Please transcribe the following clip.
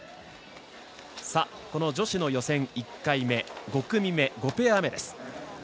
女子の予選、１回目５組目、５ペア目です。